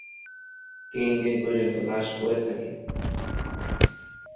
তিন দিন পর্যন্ত লাশ পড়ে থাকে।